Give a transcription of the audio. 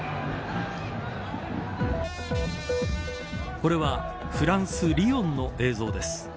これはフランス、リヨンの映像です。